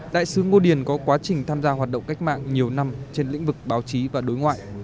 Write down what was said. đại sứ ngô điền có quá trình tham gia hoạt động cách mạng nhiều năm trên lĩnh vực báo chí và đối ngoại